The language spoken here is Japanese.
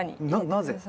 なぜ？